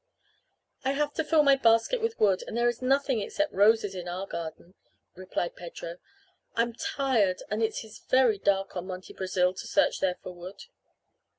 "I have to fill my basket with wood and there is nothing except roses in our garden," replied Pedro. "I'm tired and it is very dark on Monte Brasil to search there for wood."